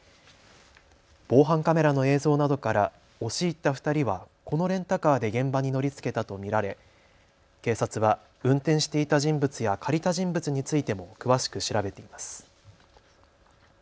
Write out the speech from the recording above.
防犯カメラの映像などから押し入った２人はこのレンタカーで現場に乗りつけたと見られ警察は運転していた人物や借りた人物についても詳しく調べています。